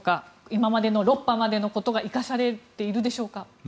今までの６波までのことが生かされているでしょうか。